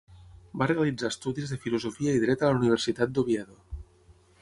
Va realitzar estudis de Filosofia i Dret a la Universitat d'Oviedo.